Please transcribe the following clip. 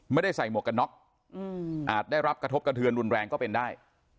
ไม่ได้ใส่หมวกกันน็อกอาจได้รับกระทบกระเทือนรุนแรงก็เป็นได้